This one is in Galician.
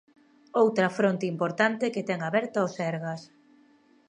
Outra fronte importante que ten aberta o Sergas.